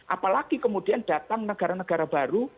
apalagi kemudian datang negara negara baru